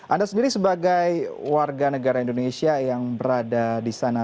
anda sendiri sebagai warga negara indonesia yang berada di sana